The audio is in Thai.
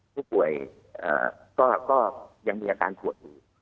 ผู้ป่วยก็ยังมีอาการปวดอยู่